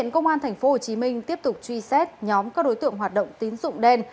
công an tp hcm tiếp tục truy xét nhóm các đối tượng hoạt động tín dụng đen